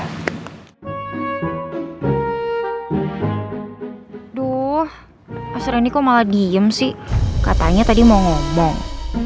aduh asroni kok malah diem sih katanya tadi mau ngomong